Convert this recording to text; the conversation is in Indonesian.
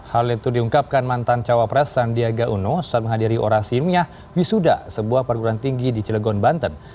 hal itu diungkapkan mantan cawapres sandiaga uno saat menghadiri orasi miah wisuda sebuah perguruan tinggi di cilegon banten